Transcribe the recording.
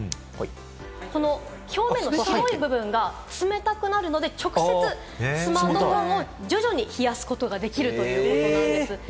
表面の白い部分が冷たくなるので、直接スマートフォンを徐々に冷やすことができるということです。